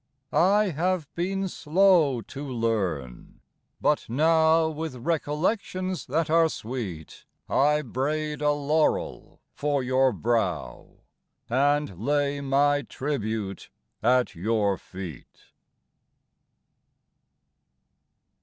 I have been slow to learn, but now, With recollections ■ that are sweet, I braid a laurel for your brow And lay my tribute at your eet.